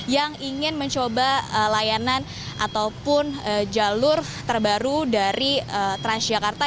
yang ingin mencoba layanan ataupun jalur terbaru dari transjakarta